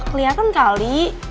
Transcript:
ya keliatan kali